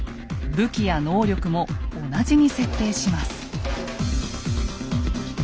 武器や能力も同じに設定します。